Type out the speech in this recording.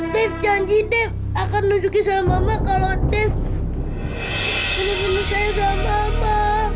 dev janji dev akan nunjukin sama mama kalau dev benar benar sayang sama mama